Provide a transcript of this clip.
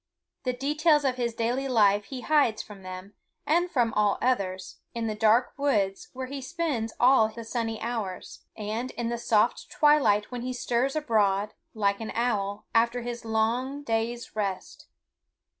The details of his daily life he hides from them, and from all others, in the dark woods, where he spends all the sunny hours, and in the soft twilight when he stirs abroad, like an owl, after his long day's rest.